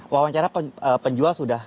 wawancara penjual sudah